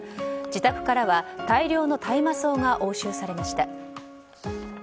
自宅からは大量の大麻草が押収されました。